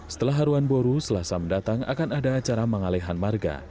setelah haruan boru selasa mendatang akan ada acara mengalehan marga